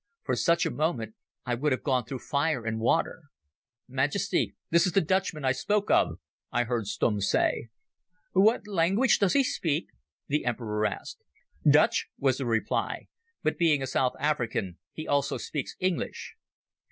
For such a moment I would have gone through fire and water. "Majesty, this is the Dutchman I spoke of," I heard Stumm say. "What language does he speak?" the Emperor asked. "Dutch," was the reply; "but being a South African he also speaks English."